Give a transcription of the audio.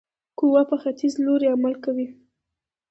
قوه په ختیځ په لوري عمل کوي.